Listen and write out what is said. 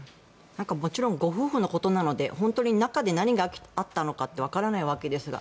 もちろんご夫婦のことなので本当に中で何があったのかってわからないわけですが。